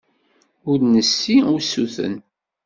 Ur d-nessi usuten.